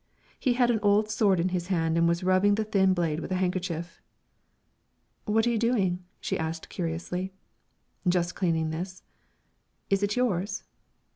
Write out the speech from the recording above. He had an old sword in his hand and was rubbing the thin blade with a handkerchief. "What are you doing?" she asked, curiously. "Just cleaning this." "Is it yours?"